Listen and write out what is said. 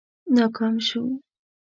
ناکام شو.